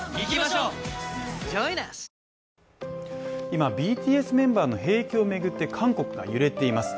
今、ＢＴＳメンバーの兵役を巡って韓国が揺れています。